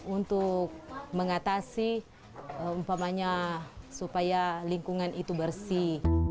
untuk mengatasi umpamanya supaya lingkungan itu bersih